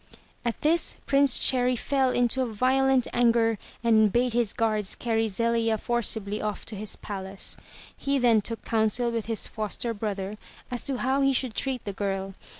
At this. Prince Cherry fell into violent anger, and bade his guards carry Zelia forcibly off to his palace. He then took counsel with his foster brother as to how he should treat the girl.